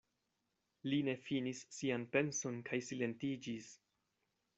Li ne finis sian penson kaj silentiĝis.